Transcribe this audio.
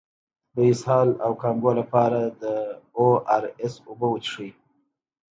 د اسهال او کانګو لپاره د او ار اس اوبه وڅښئ